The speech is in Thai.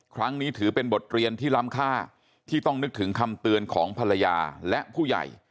ครั้งนี้ถือเป็นบทเรียนที่ล้ำค่าที่ต้องนึกถึงคำเตือนของภรรยาและผู้ใหญ่